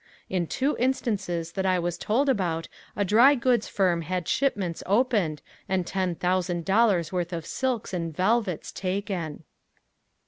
In two instances that I was told about a drygoods firm had shipments opened and ten thousand dollars worth of silks and velvets taken.